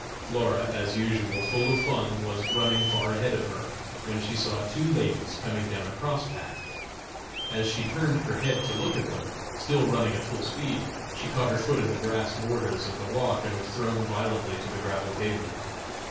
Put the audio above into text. Flora, as usual, full of fun, was running far ahead of her, when she saw two ladies coming down a cross path. As she turned her head to look at them, still running at full speed, she caught her foot in the grass borders of the walk and was thrown violently to the gravel pavement.